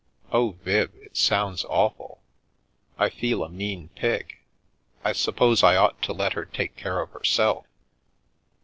" *Oh, Viv, it sounds awful! I fed a mean pig. I suppose I ought to let her take care of herself.